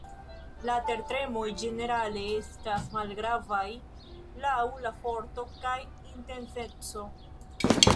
La tertremoj ĝenerale estas malgravaj laŭ la forto kaj intenseco.